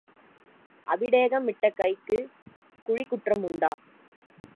அபிடேகம் இட்ட கைக்குச் சுழிக் குற்றம் உண்டா?